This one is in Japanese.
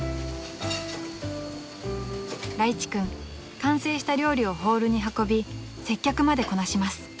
［らいち君完成した料理をホールに運び接客までこなします］